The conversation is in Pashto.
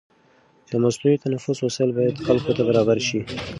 د مصنوعي تنفس وسایل باید خلکو ته برابر شي.